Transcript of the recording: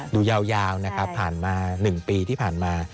ดูยาวผ่านมา๑ปีที่ผ่านมา